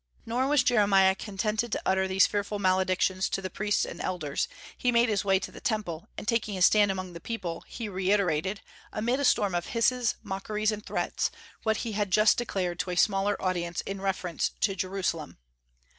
Nor was Jeremiah contented to utter these fearful maledictions to the priests and elders; he made his way to the Temple, and taking his stand among the people, he reiterated, amid a storm of hisses, mockeries, and threats, what he had just declared to a smaller audience in reference to Jerusalem.